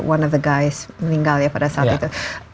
one of the guys meninggal ya pada saat itu